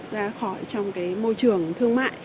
ra khỏi trong cái môi trường thương mại